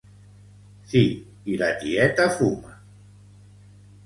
Si i la tieta fuma